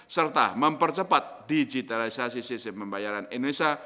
serta mempercepat digitalisasi sistem pembayaran indonesia